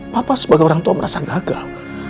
papa sebagai orang tua merasa gagal